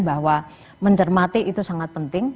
bahwa mencermati itu sangat penting